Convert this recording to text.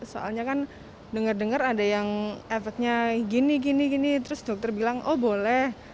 soalnya kan denger dengar ada yang efeknya gini gini terus dokter bilang oh boleh